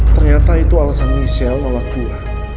ternyata itu alasan michelle nolak buah